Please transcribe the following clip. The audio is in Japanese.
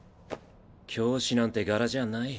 教師なんてガラじゃない。